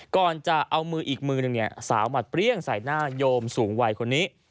ก่อนจะเอามืออีกมือหนึ่งสาวหมัดเปรี้ยงใส่หน้าโยมสูงวัยคนนี้